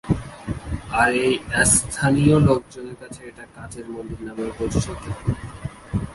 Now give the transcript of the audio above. আর তাই এস্থানিয় লোকজনের কাছে এটা কাচের মন্দির নামেও পরিচিত।